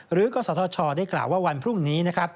หรือก็สทชได้กล่าวว่าวันพรุ่งนี้